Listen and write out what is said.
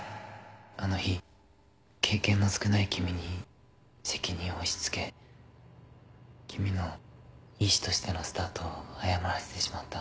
あの日経験の少ない君に責任を押しつけ君の医師としてのスタートを誤らせてしまった。